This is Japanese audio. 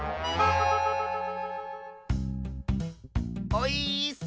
オイーッス！